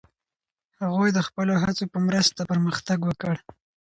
هغوی د خپلو هڅو په مرسته پرمختګ وکړ.